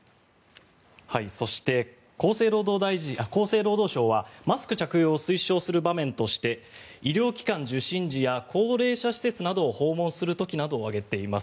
そして、厚生労働省はマスク着用を推奨する場面として医療機関受診時や高齢者施設などを訪問する時などを挙げています。